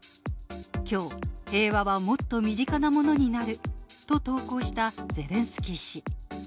きょう、平和はもっと身近なものになると投稿したゼレンスキー氏。